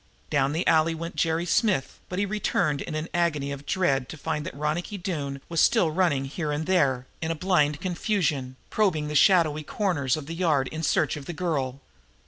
Down the alley went Jerry Smith, but he returned in an agony of dread to find that Ronicky Doone was still running here and there, in a blind confusion, probing the shadowy corners of the yard in search of the girl.